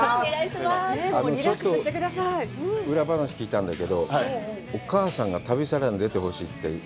ちょっと裏話を聞いたんだけど、お母さんが旅サラダに出てほしいって？